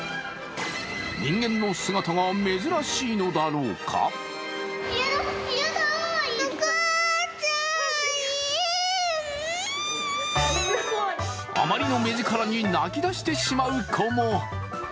人間の姿は珍しいのだろうかあまりの目力に泣き出してしまう子も。